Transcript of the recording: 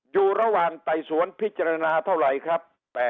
อยู่ระวังไตยสวนพิจารณาเท่าไรครับ๘๙๗๐